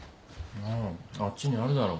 あっちにあるだろ。